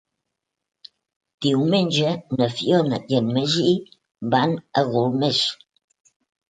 Diumenge na Fiona i en Magí van a Golmés.